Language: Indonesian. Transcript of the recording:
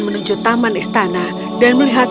menuju taman istana dan melihat